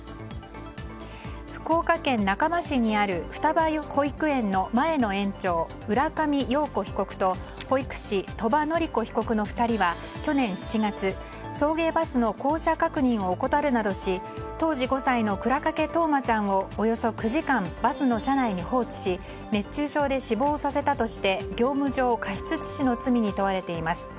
福岡県中間市にある双葉保育園の前の園長、浦上陽子被告と保育士、鳥羽詞子被告の２人は去年７月、送迎バスの降車確認を怠るなどし当時５歳の倉掛冬生ちゃんをおよそ９時間バスの車内に放置し熱中症で死亡させたとして業務上過失致死の疑いが持たれています。